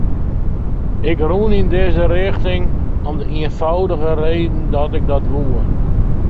Ik rûn yn dizze rjochting om de ienfâldige reden dat ik dat woe.